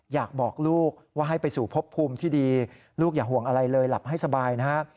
อยากบอกลูกว่าให้ไปสู่พบภูมิที่ดีลูกอย่าห่วงอะไรเลยหลับให้สบายนะฮะ